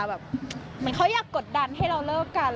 เหมือนเขาอยากกดดันให้เราเลิกกัน